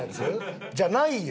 じゃないよ！